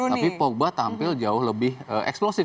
tapi pogba tampil jauh lebih eksplosif